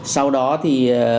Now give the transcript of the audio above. sau đó thì